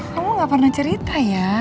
kamu gak pernah cerita ya